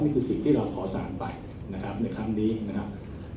นี่คือสิ่งที่เราขอสารไปนะครับในคำนี้นะครับ